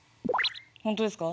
本当ですか？